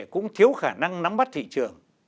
cũng thiếu khả năng nắm bắt thị trường